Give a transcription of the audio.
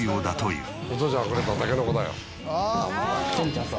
うん。